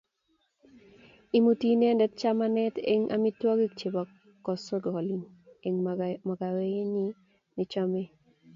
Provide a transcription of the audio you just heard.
Imuti inendet chamanet eng amitwokik chebo kosgoleny eng makawenyi nechomei